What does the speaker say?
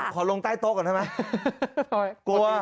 ลงใต้โต๊ะก่อนได้ไหม